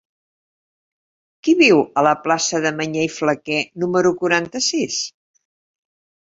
Qui viu a la plaça de Mañé i Flaquer número quaranta-sis?